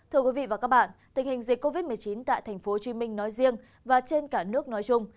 thưa quý vị và các bạn tình hình dịch covid một mươi chín tại tp hcm nói riêng và trên cả nước nói chung